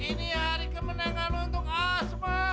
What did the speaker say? ini hari kemenangan untuk aspa